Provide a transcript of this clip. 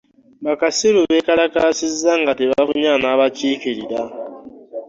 Ba kasiru beekalasizza nga tebafunye anaabakikirila.